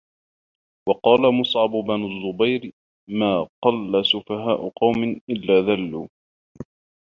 وَقَالَ مُصْعَبُ بْنُ الزُّبَيْرِ مَا قَلَّ سُفَهَاءُ قَوْمٍ إلَّا ذَلُّوا